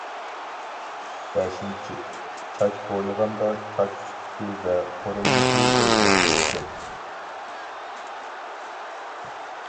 بەشىنچى، چاچ بويىغاندا چاچ سۈپىتى ۋە قۇرۇلمىسى ئۆزگەرمەيدىكەن.